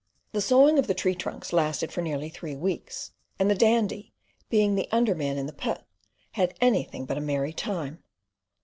The sawing of the tree trunks lasted for nearly three weeks, and the Dandy, being the under man in the pit, had anything but a merry time.